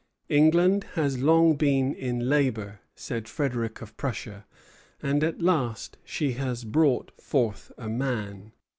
"England has long been in labor," said Frederic of Prussia, "and at last she has brought forth a man."